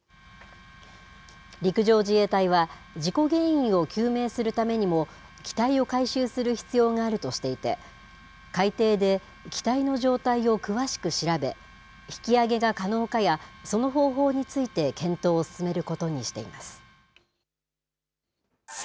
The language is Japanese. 陸上自衛隊は、事故原因を究明するためにも機体を回収する必要があるとしていて、海底で機体の状態を詳しく調べ、引き揚げが可能かや、その方法について検討を進めることにしています。